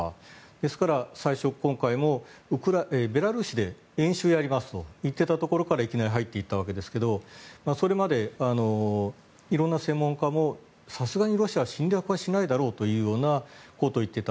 ですから、最初、今回もベラルーシで演習をやりますと言っていたところからいきなり入っていったわけですがそれまで色んな専門家もさすがにロシアは侵略はしないだろうというようなことを言っていた。